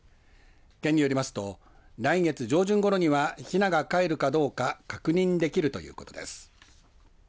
県によりますと来月上旬ごろにはヒナがかえるかどうかを確認できるということです。